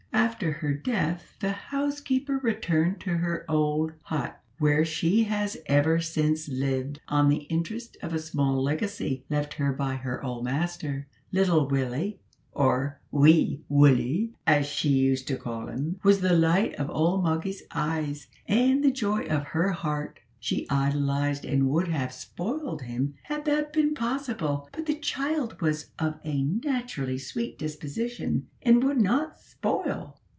After her death the housekeeper returned to her old hut, where she has ever since lived on the interest of a small legacy left her by her old master. Little Willie, or wee Wullie, as she used to call him, was the light of old Moggy's eyes, and the joy of her heart. She idolised and would have spoiled him, had that been possible; but the child was of a naturally sweet disposition, and would not spoil.